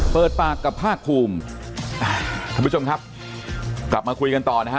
เปิดปากกับภาคภูมิท่านผู้ชมครับกลับมาคุยกันต่อนะฮะ